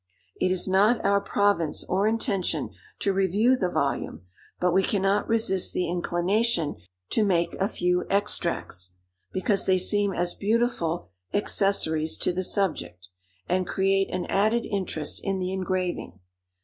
It is not our province or intention to review the volume, but we cannot resist the inclination to make a few extracts, because they seem as beautiful accessories to the subject, and create an added interest in the engraving.